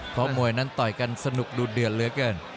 เพราะมวยนั้นต่อยกันสนุกดูเดือดเหลือเกิน